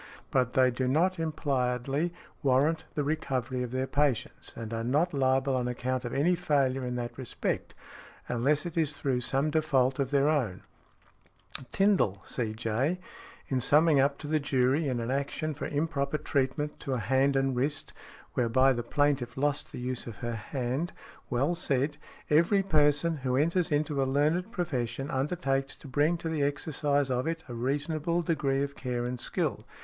But they do not impliedly warrant the recovery of their patients, and are not liable on account of any failure in that respect, unless it is through some default of their own . Tindal, C.J., in summing up to the jury in an action for improper treatment to a hand and wrist, whereby the plaintiff lost the use of her hand, well said, "Every person who enters into a learned profession undertakes to bring to the exercise of it a reasonable degree of care and skill.